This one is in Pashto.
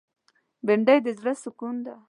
بېنډۍ د زړه سکون ده